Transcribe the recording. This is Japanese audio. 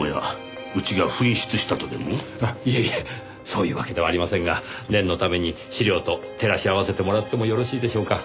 そういうわけではありませんが念のために資料と照らし合わせてもらってもよろしいでしょうか？